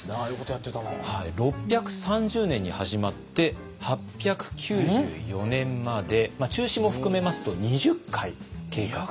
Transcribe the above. ６３０年に始まって８９４年まで中止も含めますと２０回計画されていた。